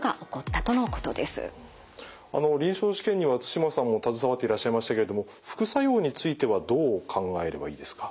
臨床試験には対馬さんも携わっていらっしゃいましたけれども副作用についてはどう考えればいいですか？